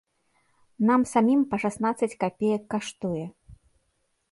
Нам самім па шаснаццаць капеек каштуе!